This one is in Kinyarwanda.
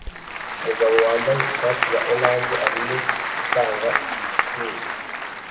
Umugabo wambaye ishati ya orange arimo atanga disikuru